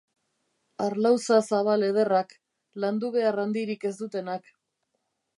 Harlauza zabal ederrak, landu behar handirik ez dutenak.